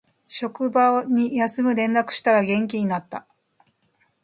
職場に休む連絡したら元気になった